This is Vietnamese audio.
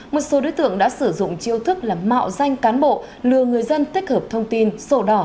một số đối tượng đã sử dụng chiêu thức là mạo danh cán bộ lừa người dân tích hợp thông tin sổ đỏ